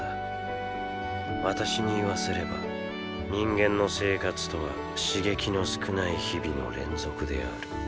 私に言わせれば人間の生活とは刺激の少ない日々の連続である。